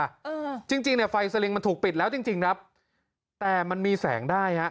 อืมจริงจริงเนี้ยไฟสลิงมันถูกปิดแล้วจริงจริงครับแต่มันมีแสงได้ฮะ